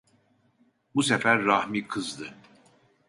Bu sefer Rahmi kızdı.